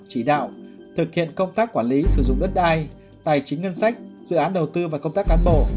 chỉ đạo thực hiện công tác quản lý sử dụng đất đai tài chính ngân sách dự án đầu tư và công tác cán bộ